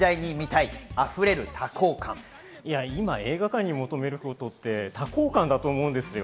今、映画館に求めることって多幸感だと思います。